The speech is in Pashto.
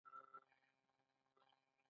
د ام دانه د اسهال لپاره وکاروئ